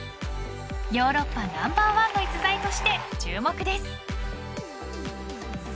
ヨーロッパナンバーワンの逸材として注目です。